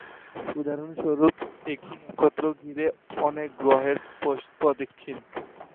উদাহরণস্বরূপ একটি নক্ষত্রকে ঘিরে কোনো গ্রহের প্রদক্ষিণ।